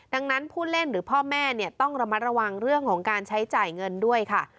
ดังนั้นผู้เล่นหรือพ่อแม่ต้องระมัดระวังเรื่องของการใช้จ่ายเงินด้วยค่ะ